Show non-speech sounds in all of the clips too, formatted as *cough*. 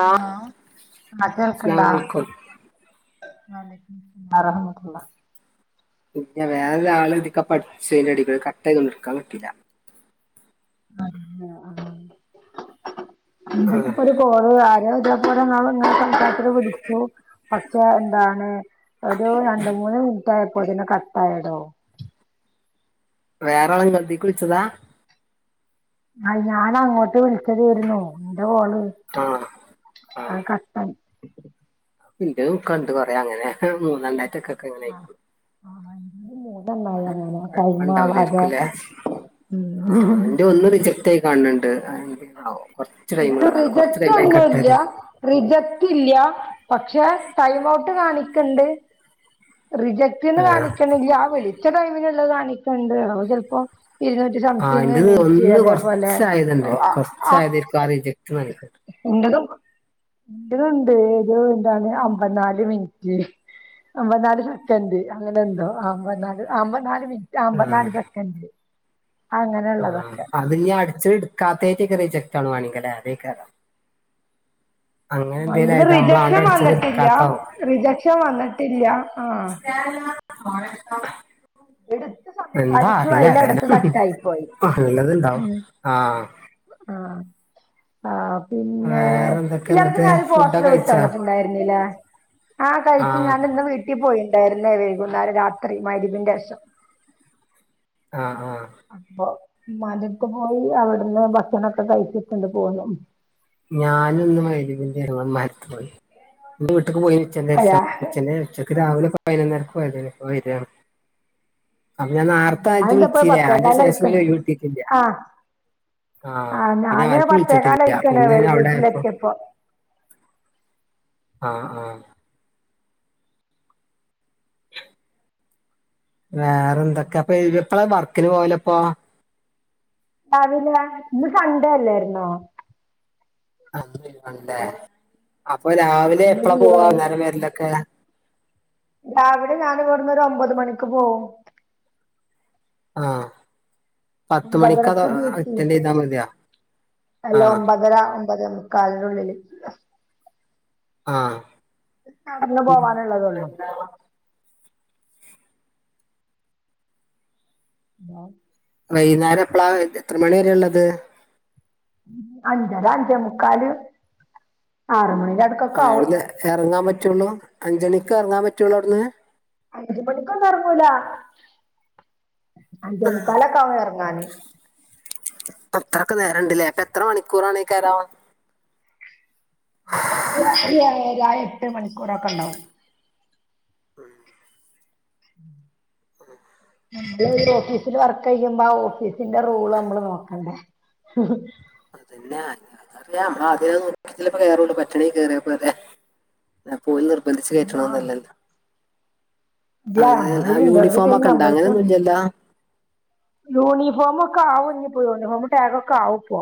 Hello. ആ കേൾക്ക്ണ്ട? അസ്സലാമു അലൈക്കും വ അലൈക്കുമുസ്സലാം വറഹ്മത്തുള്ള. പിന്നെ വേറെരു ആൾ ഇതീക്കപ്പൊ അടിച് യ്നെടികൂടെ കട്ടയ്ന്ന് തോനുന്നു ഇട്ക്കാൻ കിട്ടീല. അ *unintelligible* ഇപ്പൊ ഒരു കോൾ ആരേ ഇതെ പോല ന്നാള്ങ്ങനെ സംസാരത്തിന് വിളിച്ചു. പക്ഷെ എന്താണ്, ഒരു രണ്ട് മൂന്ന് മിനിറ്റ് ആയപ്പോൾത്തിന് കട്ടായടോ. വേറെ ആള് ങ്ങൾതീക്ക് വിളിച്ചതാ? അഹ് ഞാൻ അങ്ങോട്ട് വിളിച്ചതായിരുന്നു. നന്റെ കോള്, - ആഹ. അഹ് കട്ടായി. ഇന്റെതും ഒക്കണ്ട് കൊറേ അങ്ങനെ. മൂന്നാം *unintelligible* അങ്ങനയ്ക്ക്ണ്. മൂന്നെണ്ണായി അങ്ങനെ ടൈം ആവാതെ കൊഴപ്പണ്ടാവൂലേര്ക്കു ലേ? ആഹ് ഉം ന്റെ ഒന്ന് റിജക്ടയി കണ്ട്ണ്ട് *unintelligible* ഇന്റത് റിജക്ടൊന്നൂല്ല. റിജക്റ്റില്ല്യ. പക്ഷെ, ടൈമൗട്ട് കാണിക്ക്ണ്ട്. റിജക്ട്ന്ന് ആ കാണിക്ക്ണില്ല, ആ വിളിച്ച ടൈമിന്ള്ളത് കാണിക്ക്ണ്ട്. അത് ചെൽപ്പോ ഇരുന്നു ആ സംതിങ്, എന്റേത് മിനിറ്റ് ഒന്ന് അതേപോലെ കുറച്ചായതുണ്ട് കുറച്ചായതായിരിക്കും ആ റിജക്റ്റ് *unintelligible* നൽകുന്നത് ഇന്റെതും, ഇന്റെതൂണ്ട് ഏത് എന്താണ് അമ്പത് നാല് മിൻറ്റ്. അമ്പത്ത് നാല് സെക്കന്റ് അങ്ങനെന്തോ, അമ്പത്ത് നാല് അമ്പത്ത് നാല് മിൻറ്റ്, ആ അമ്പത്ത് നാല് സെക്കന്റ് ആഹ് അത് ഞ്ഞ് അട്ച്ച്ട്ട്ട്ക്കാത്തേറ്റെയ്കാരം റിജക്റ്റാവ്ണ് വാണെങ്കിലേ അതെയ്ക്കാരം അങ്ങനെന്തേലും ഇത് ആയതാ റിജക്ഷൻ നമ്മളാണ്ടട്ച്ചത് വന്നിട്ടില്ല ഇടക്കാത്താവും. റിജക്ഷൻ വന്നിട്ടില്ല ആഹ് എടുത്ത് *unintelligible* എന്താ സംസാരിച്ചു അറീലേതായാലും, അതിലടക്ക് കട്ടായി പോയി ഇള്ളത്ണ്ടാവും. ആഹ് ആഹ് ആഹ് പിന്നേ, വേറെ എന്തൊക്കെ ഇയാൾക്ക് എന്നിട്ട് ഞാനൊര് ഫുഡൊക്കെ പോസ്റ്ററ് കഴിച്ചാ വിട്ടന്നിട്ട്ണ്ടായിരുന്ന്ലേ? ആഹ് കഴിച്ച്, ഞാനിന്ന് വീട്ടി പ്പോയിണ്ടായിര്ന്ന്ലേ വെയ്കുന്നേരം രാത്രി മഗ് രി ബിന്റേഷം ആഹ് ആഹ് അപ്പൊ. ഇമ്യാന്റെട്ത്ത് പോയി, അവിട്ന്ന് ഭക്ഷണൊക്കെ കഴിച്ച്ട്ട് പ്പണ്ട് പോന്നു. ഞാനുന്ന് മഗ് രിബിന്റേരം ഇമ്മാന്റെട്ത്ത്ക്ക് പോയി. ഇന്റെ വീട്ട്ക്ക് പോയി അതെ ഉച്ചന്റേഷം. ഉച്ചന്റെ *unintelligible* രാവിലെ പതിനൊന്നരക്ക് പോയതേനി, ഇപ്പൊ വരാണ് അപ്പൊ ഞാൻ നാർത്തെ ഇജ്ജ് ഞാനിന്തപ്പോ വുൾച്ചീലേ അയ്ന്റെ ശേഷം പത്തേക്കാലായിക്കണ് പിന്നൊയ് വ് കിട്ടീട്ടില്ല ആഹ് ആഹ്, പിന്നെ ആർക്കും വിൾച്ചിട്ടില്ല. പിന്നെ ഞാനൗടായപ്പോ പ്പൊ ആഹ് ആഹ് വേറെന്തൊക്കെ, അപ്പൊ ഇ എപ്പളാ വർക്കിന് പോവലപ്പോ? രാവിലെ, ഇന്ന് സൺഡേ അല്ലായിരുന്നോ *unintelligible* അപ്പൊ രാവിലെ ഇന്ന് എപ്പളാ പോവാ ലീവാണ് അന്നേരം വെര്ലൊക്കെ? രാവിലെ ഞാന് ഇവട്ന്നൊരു ഒമ്പത് മണിക്ക് പോവും. ആഹ് പത്ത് മണിക്ക് അത് ഒമ്പതരക്ക് ഡ്യൂട്ടി. അറ്റൻഡ് ചെയ്താ മതിയോ അല്ല ആഹ് ഒമ്പതര ഒമ്പതേ മു കാലിന്റുള്ളില് ആഹ് നടന്ന് പോവാന്ള്ളതൊള്ളു. ഹലോ വൈന്നാരെപ്പളാ, എത്ര മണി വരേ ഇള്ളത്? അഞ്ചര അഞ്ചേ മുക്കാല്, ആറു മണിന്റെട് ആഹ് അവ്ട്ന്ന് എറങ്ങാൻ പറ്റൊള്ളൂ, അഞ്ചണിക്ക് എർങ്ങാൻ പറ്റൊള്ളു അവ്ട്ന്ന്? അഞ്ച് മണിക്കൊന്നും എർങ്ങൂലാ. അഞ്ചേ മുക്കാലൊക്കാവും എർങ്ങാന്. അത്രൊക്കെ നേരണ്ട്ലേ, അപ്പെത്ര മണിക്കൂറാണെയ്ക്കാരം? ഏയര, എട്ട് മണിക്കൂറൊക്കെ ണ്ടാവും. *unintelligible* *inaudible* *unintelligible* *unintelligible* ഓഫീസില് വർക്കെയ്യുമ്പൊ ആ ഓഫീസിന്റെ റൂള് നമ്മള് നോക്കണ്ടേ അല്ലാ, അതറിയ നമ്മളാദ്യത് നോക്കീട്ടല്ലെ കേറൊള്ളു, പറ്റാണെങ്കി കേറ്യാ പോരെ അപ്പോല് നിർബന്ധിച്ച് കേറ്റ്ണൊന്നല്ലല്ലൊ. ല്ല, നമ്മളൊര് ഇന്റർവ്യൂ യൂണിഫോം കയ്ഞ്ഞ് ഒക്കെ ഉണ്ടോ നമ്മൾക്ക് അങ്ങനെയൊന്നും ഇല്ലല്ലോ യൂണിഫോമൊക്കെ ആവും ഇഞ്ഞ് പ്പൊ, യൂണിഫോമും ടാഗും ഒക്കാവുപ്പോ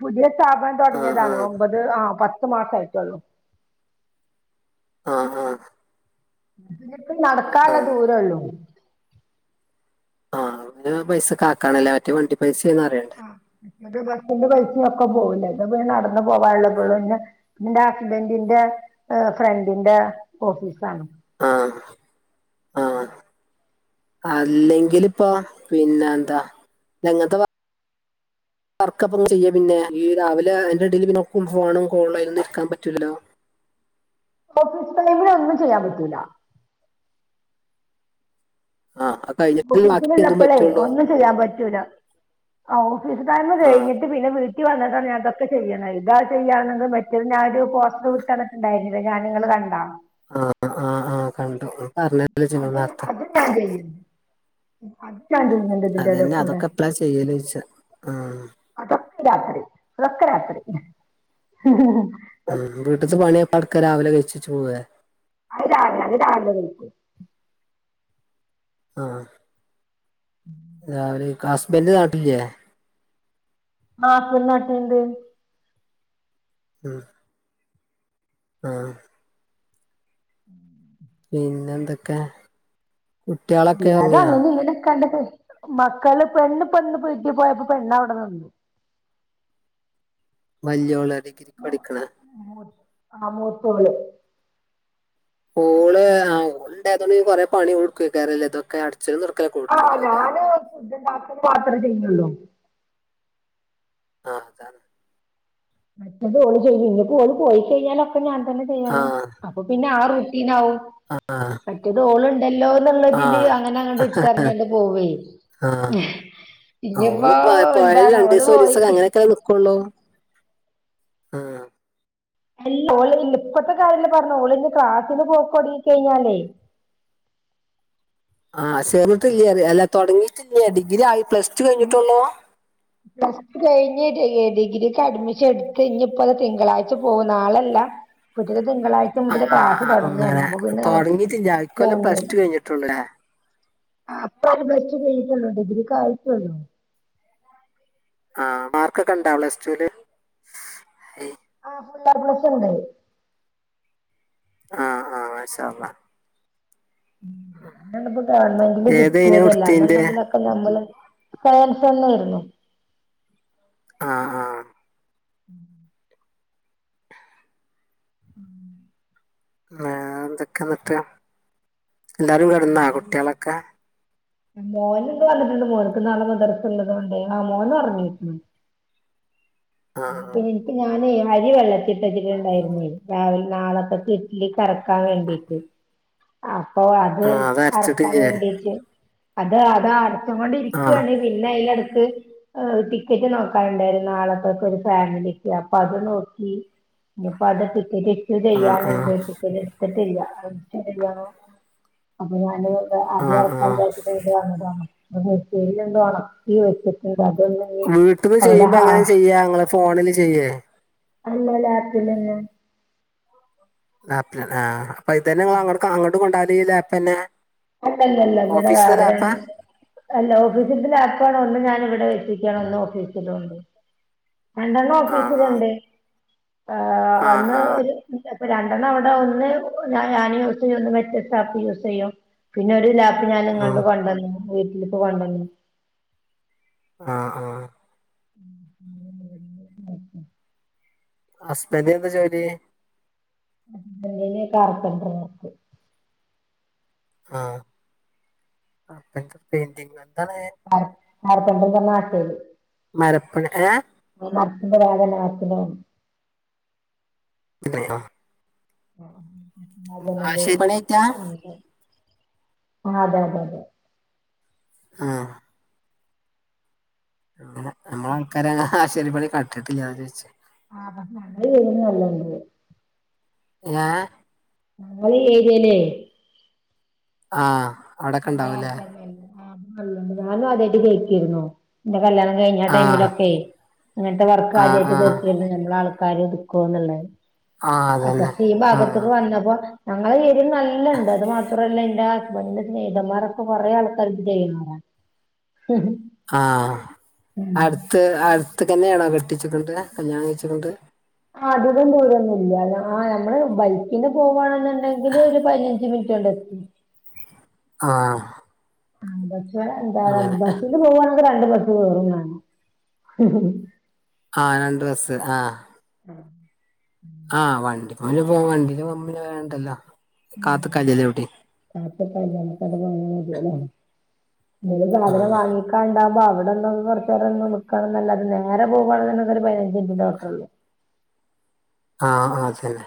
പുതിയ സ്ഥാപനം ആഹ് തൊടങ്ങിയതാണ്. ആഹ് ഒമ്പത് ആഹ് പത്ത് മാസായിട്ടൊള്ളു. ആഹ് ആഹ് ന്നപ്പക്ക് നടക്കാനുള്ള ആഹ് ദൂരള്ളൂ ആ പിന്നെ പൈസക്കാ ക്കാണല്ലേ മറ്റേ വണ്ടി പൈസന്ന് അറിയേ മറ്റേ ബസ്സിന്റെ പൈസിം ഒക്കെ പോവില്ലേ ഇത പ നടന്നു പോവാള്ളതൊള്ളൂ ന്നെ ന്റെ ഹസ്ബന്റിന്റെ ഏ ഫ്രണ്ടിന്റെ ഓഫീസാണ് ആഹ് ആഹ് അല്ലെങ്കിലിപ്പോ പിന്നെന്താ എങ്ങത്തോ വർക്കപ്പ ചെയ്യ പിന്നെ ഈ രാവിലെ അയ്ന്റെടീല് പിന്നെ ക്കും ഫോണും കോളും അയ്നൊന്നും ഇര്ക്കാൻ പറ്റുലല്ലോ ഓഫീസ് ടൈമിൽ ഒന്നും ചെയ്യാൻ പറ്റൂല ആഹ് കഴിഞ്ഞിട്ടല്ലേ ബാക്കി എന്തും ഓഫീസില്ള്ളപ്പളേ പറ്റുള്ളൂ ഒന്നും ചെയ്യാൻ പറ്റൂല ആ ഓഫീസ് ടൈ ആഹ് കഴിഞ്ഞിട്ട് ട്ട് പിന്നെ വീട്ടി വന്ന്ട്ടാണ് ഞാൻ തൊക്കെ ചെയ്യ്ണത് താ ചെയ്യാനൊന്നും പറ്റൂല ഞ്ഞാ ഒരു പോസ്റ്റർ വിട്ടെന്ന്ട്ട് ണ്ടായിര്ന്നിലെ ഞാന് ങ്ങള് കണ്ടാ ആ ആ ആ കണ്ടു പർഞ്ഞെ അത് അത് ഞാൻ ചെയ്യും അത്ത് ഞാൻ ചെയ്യും അയ്ന്റെ ഇതിന്റെ എടെ അതന്നെ കൂടെ അതൊക്കെ എപ്പളാ ചെയ്യല് ചോദിച്ച ആഹ് അതൊക്ക രാത്രിതൊക്ക രാത്രി ഉം വീട്ട്ത്തെ പണിപ്പ്‌ളാട്ക്ക രാവിലെ കയ്ചെച്ച് പോവേ അത് രാവിലെ അത് രാവിലെ കൈക്കും ആ രാവില കയ്‌ക്കും ഹസ്ബന്റ് നാട്ടില്യേ ആ ഹസ്ബന്റ് നാട്ടില്ണ്ട് ഉം ആഹ് *inaudible* പിന്നെ ന്തൊക്കെ ഇല്ലാ ത അങ്ങനി ങ്ങനിക്കാണ്ട് മക്കള് പെണ്ണ് പ്പൊ ന്ന് പ്പൊ വീട്ടി പോയപ്പോ പെണ്ണ് അവ്ടെ നിന്ന് വല്യോള് ഡിഗ്രിക്ക് പഠിക്കണ ആ മൂത്തോള് ഓള് ആ ഓൾണ്ടായതോണ്ട് കൊറെ പണി ഓൾക്കെട്ക്കാകേരം ല്ലെ തൊക്കെ അട് അട്ച്ചലും തൊടക്കലൊക്കോ ആ ഞാന് ഫുഡ് ണ്ടാക്കല് മാത്രം ചെയ്യുള്ളൂ ആ അതാണ് മറ്റത് ഓള് ചെയ്യും ഇനി പോള് പോയി കഴഞ്ഞാലൊക്കെ ഞാൻ തന്നെ ആ ചെയ്യണം പ്പൊ പിന്നെ ആറുട്ടീനാവും ആഹ് ആഹ് മറ്റത് ഓള്ണ്ടല്ലോ ന്നുള്ളതില് അങ്ങനെ അങ്ങട് ഇട്ടർഞണ്ട് പോവേ ആ ഇനിയിപ്പോ ഓള്പ്പൊ പോയാല് എന്താണ് ഓള് രണ്ടീസൊരീസകൊ പോയിക്ക് അങ്ങനൊക്കെ ല്ലെ നിക്ക ക്കള്ളോ ആ ല്ല ഓള് പ്പത്തെ കാര്യ ല്ല പർഞ്ഞെ ഓള്ഞ്ഞി ക്ളാസ്സ്ന് പോക്കൊട്ങ്ങി കയ്ഞ്ഞാലേ ആ ചേർന്ന്ട്ട്ല്ലെ അല്ല തുടങ്ങിട്ടില്യേ ഡിഗ്രായി പ്ളസ് ടു കഴിഞ്ഞിട്ടൊള്ളു പസ്ടു കഴിഞ്ഞ് ഡിഗ്രി ഡിഗ്രിക്ക് അഡ്മിഷൻ ട്ത്ത് ഞ്ഞിപ്പത തിങ്കളാഴ്ച പോകും ന്നാളല്ല കുട്ടിക്ക് തിങ്കളാഴ്ച ആ മുതല് ക്ളാസ് തൊടങ്ങാണ് അങ്ങനെ അപ്പൊ പിന്നെ അവൻ തുടങ്ങിയിട്ടില്ല ഇക്കൊല്ലം പ്ലസ് പോവൂലെ ടു കഴിഞ്ഞിട്ടുള്ളൂ അല്ലേ ആ പ്പോര് പ്ലസ്റ്റു കയ്ഞ്ഞിട്ടൊള്ളൂ ഡിഗ്രിക്കായിട്ടൊള്ളു ആ മാർക്കൊക്കെണ്ടോ പ്ളസ് ടുല് ആ ഫുള്ളേപ്ലസ് ണ്ട് ആ ആ മാഷാഅല്ലാഹ് തെന്നെപ്പൊ ഗവൺമെന്റ്ല് ഏതേനു കിട്ട്യേതല്ല അല്ലന്ന് എടുത്തിന്റെ ണ്ടെങ്കില് പൊ നമ്മള് സയൻസന്നേ യ്ര്ന്നു ആഹ് ആഹ് *inaudible* *inaudible* *unintelligible* ന്തൊക്കെ ന്ന്ട്ട് എല്ലാരും കെട്ന്നാ കുട്ട്യാളൊക്കെ? മോന്ന്ത് വന്ന്ട്ട്ണ്ട് മോന്ക്ക് നാളെ മദ്രസ്സ്ള്ളതോണ്ടെ ആ മോനൊർങ്ങീക്ണ് *inaudible* പീ ഞാനെ അരി വെള്ളത്തീട്ടെച്ചിട്ട്ണ്ടായിര്ന്നേ രാവിലെ നാളത്തെക്ക് ട്ട്ലിക്കരക്കാൻ വേണ്ടിട്ട് അപ്പൊ അത് ആ അരക്കാൻ അരച്ചിട്ടില്ലേ വേണ്ടീട്ട് അത് അതരച്ചും ആ കൊണ്ടിരിക്കാണ് പിന്നയ്ലെടക്ക് ആഹ് ടിക്കറ്റ് നോക്കാനുണ്ടായിരുന്നു നാളത്തേക്കൊരു ഫാമിലിക്ക് അപ്പാത് നോക്കി. ഇനിപ്പോ അത് ടിക്കറ്റെട്ത്ത് ആ ആ ചെയ്യാന്ട് ടിക്കറ്റ് എടുത്തിട്ടില്ല *unintelligible* അപ്പൊ ഞാന് ആ അരി ആ അരക്കാന്ന് വിചാരിച്ചിട്ട് വന്നതാണ് *unintelligible* ഒണക്കി വെച്ചിട്ട് *unintelligible* വീട്ടിന്ന് ചെയ്യുമ്പ എങ്ങനെ ചെയ്യാ ങ്ങള് ഫോണില് ചെയ്യേ അല്ലലാപ്പില് ലാപ്പ് ആഹ് അപ്പ ഇതന്നെങ്ങള് അങ്ങട് അങ്ങോട്ട് കൊണ്ടോവല് ഈ ലാപ്പന്നെ അല്ലല്ലല്ല ഇവിടെ വേറെ *unintelligible* അല്ല ഓഫീസിന്റെ ലാപ്പാണ് ഒന്ന് ഞാനിവിടെ വച്ചിക്കാണ് ഒന്ന് ഓഫീസിലൊണ്ട്. രണ്ടെണ്ണം ആ ആ ഓഫീസിലുണ്ട് ആ ആ അന്ന് ആ ഒരു ഇപ്പൊ രണ്ടെണ്ണം അവിടെ ഒന്ന് ഞാന് യൂസെയ്യും ഒന്ന് മറ്റേ സ്റ്റാഫ് യൂസെയ്യും പിന്നെ ഒരു ലാപ്പ് ഞാന്ങ്ങാണ്ട് കൊണ്ടന്നിനി വീട്ടിലിക്ക് കൊണ്ടന്നിനി ആഹ് ആഹ് *inaudible* ഹസ്ബന്റിനെന്താ ജോലി. സ്ബന്റിന് കാർപെന്റർ വർക് ആഹ് *unintelligible* ആ ഹസ്ബന്റിന്റെ നാട്ടില് മരപ്പണി ഏഹ് *unintelligible* *unintelligible* ആഹ് ജനല് ആശേപ്പണിയായിറ്റാ ആഹ് അതെ അതെ അതെ ആഹ് അങ്ങനെ നമ്മളാൾക്കാരാനെ ഹ്ആശാരി പണി കണ്ടിട്ടില്ല അതാ ചോയ്ച്ചെ ആഹ് ഞങ്ങള് *unintelligible* ഏ ഞങ്ങളീ ഏരിയയില് ആഹ് *unintelligible* അവിടൊക്കെ ഇണ്ടാവൂലേ ഞാനും ആദ്യായിട്ട് കേക്കേരുന്നു എന്റെ കല്യാണം കഴിഞ്ഞ ആഹ് ടൈമിലൊക്കെ അങ്ങനത്തെ വർക്ക് ആഹ് ആദ്യായിട്ട് ആഹ് കേൾക്കേരുന്നു ഞമ്മളാൾക്കാര്. കോന്നുള്ളെ ആഹ് ഓകെ അതന്നെ ഈ ആഹ് ഭാഗത്തക്ക് വന്നപ്പോ ഞങ്ങള ഏരിയേൽ നല്ല്ണ്ട് അത് മാത്രല്ല എന്റെ ഹസ്ബന്റ് സ്നേഹിതന്മാറൊക്കെ കൊറേ ആൾക്കാരിത് ചെയ്യുന്നോരാ ഹ്ഹ് ആഹ് അടുത്ത് അടുത്ത്ക്കന്നെയാണോ കെട്ടിച്ചിക്ണ്ര് കല്യാണം കഴിച്ചിക്ണ്ര് ആഹ് അധികം ദൂരൊന്നുല്ല്യ ആ ഞമ്മള് ബൈക്കിന്ന് പോവാണ് ണെങ്കില് ഒരു പയ്നഞ്ച് മിനിറ്റ് കൊണ്ടെത്തും. ആഹ് പക്ഷേ എന്താ അങ്ങനെ ബസ്സില് പോവാണെങ്കി രണ്ട് ബസ് കേറും വേണം. ആഹ് രണ്ട് ബസ്സ് ആഹ് ആഹ് ആഹ് വണ്ടി പോ പോ വണ്ടി നമ്മ വേണ്ടല്ലോ കാത്ത് നിക്കാൻ ഇല്ല എവിടിം. *unintelligible* നി സാധനം വാങ്ങി കണ്ടാവുമ്പോ അവിടൊന്ന്ന് കുറച്ചേരം നിക്കണന്നല്ലാതെ നേരെ പോവാണേ ഒരു പതിനഞ്ച് *unintelligible* ആഹ് ആഹ് അതെല്ലേ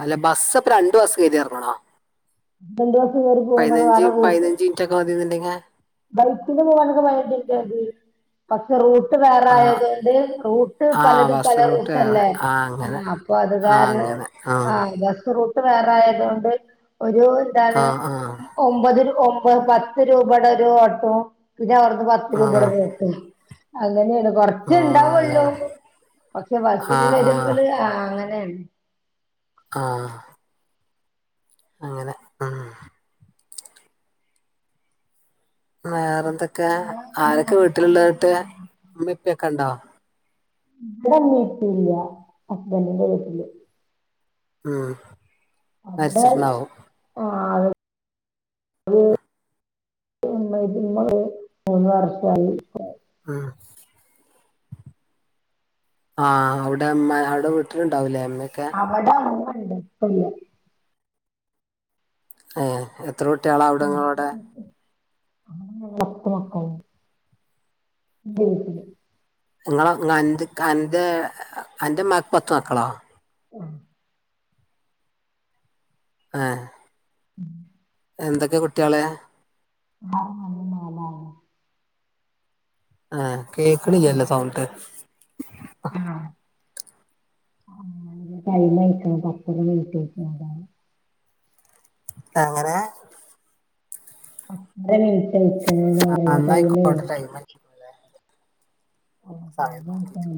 അല്ല ബസ് അപ്പ രണ്ട് ബസ് കേറി ഇറങ്ങണോ രണ്ട് ബസ്സ് കേറി *unintelligible* ഒറ്റക്ക് മതിയെന്നുണ്ടെങ്കി ബൈക്കിന് പോവാനൊക്കെ *unintelligible* പക്ഷെ റൂട്ട് വേറെ ആഹ് ആയതോണ്ട് റൂട്ട് ആഹ് പലതും പല ബസ് റൂട്ട് വേറെ റൂട്ടല്ലേ ആഹ് അങ്ങനെ അപ്പ അത് ആഹ് കാരണം അങ്ങനെ ആഹ് അല്ലാത്ത റൂ ട്ട് വേറായാതു കൊണ്ട് ഒരു എന്താണ് ആഹ് ആഹ് ഒമ്പത് ഒമ്പത് പത്ത് രൂപയുടെ ഒരു ഓട്ടോ പിന്നെ അവിർന്ന് പ ആഹ് *unintelligible* അങ്ങനെയാണ് റച്ചേ ആഹ് ഇണ്ടാവൊള്ളൂ അതാണ് പക്ഷെ ബസ്സിന് ആഹ് ആഹ് വരുമ്പോള് ആ അങ്ങനെയാണ് ആഹ് അങ്ങനെ ഉം വേറെ എന്തൊക്കെ ആരൊക്കെ വീട്ടിലുള്ളത് ട്ട് ഉമ്മിപ്പൊക്കെ ഉണ്ടോ ഇവടെ ഉമ്മീം ഉപ്പേം ഇല്ല ഹസ്ബന്റിന്റെ വീട്ടില് ആഹ് അവിടെ ആ *inaudible* ഇതി *inaudible* മൂന്ന് വർഷായി ആഹ് ആഹ് അവിടെ ഇമ്മ അവിടെ വീട്ടിലുണ്ടാവുലേ ഇമ്മക്കെ അവിടെ ഉമ്മണ്ട് ഇപ്പല്ല ഏഹ് എത്ര കുട്ടിയളാ അവിടെ ഇങ്ങളവിടെ പത്ത് മക്കള് *inaudible* നിങ്ങളെന്റെ അന്റെ അന്റെ മക്ക് പത്ത് മക്കളോ ആഹ് ആഹ് ഉം എന്തൊക്കെ കുട്ടിയള് *unintelligible* നാലാണ് ആഹ് കേക്കണില്ലല്ലോ സൗണ്ട് *inaudible* എങ്ങനെ ആ എന്നായിക്കോട്ടെ *unintelligible* ടൈം സമയം ടൈമേ നോക്കീട്ട്